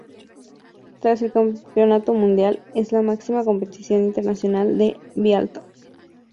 Tras el Campeonato Mundial, es la máxima competición internacional de biatlón.